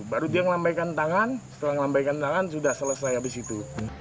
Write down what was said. baru dia ngelambaikan tangan setelah ngelambaikan tangan sudah selesai habis itu